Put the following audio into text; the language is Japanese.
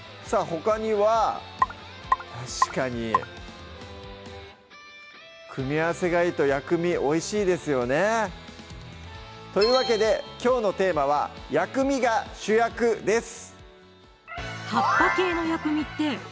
ほかには確かに組み合わせがいいと薬味おいしいですよねというわけできょうのテーマは「薬味が主役」です